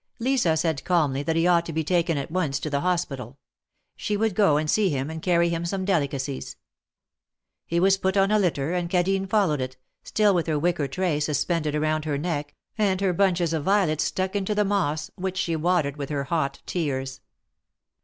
Lisa said calmly that he ought to be taken at once to the Hospital. She would go and see him, and carry him some delicacies. He was put on a litter, and Cadine followed it, still with her wicker tray suspended around her neck, and her bunches of violets stuck into the moss, which she watered with her hot tears.